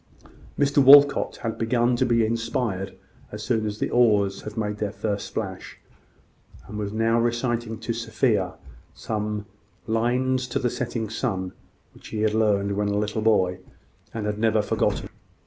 Mr Walcot had begun to be inspired as soon as the oars had made their first splash, and was now reciting to Sophia some "Lines to the Setting Sun," which he had learned when a little boy, and had never forgotten.